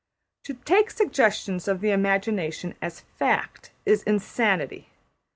To take suggestions of the Imagination as fact is Insanity.